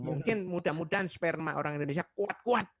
mungkin mudah mudahan sperma orang indonesia kuat kuat